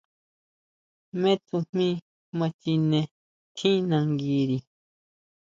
¿Jmé tsujmí ma chine tjín nanguiri?